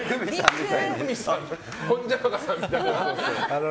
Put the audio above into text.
ホンジャマカさんみたいな。